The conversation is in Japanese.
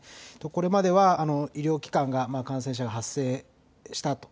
これまでは医療機関が感染者が発生したと。